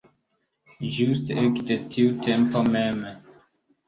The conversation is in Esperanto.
Ĝuste ekde tiu tempo mem.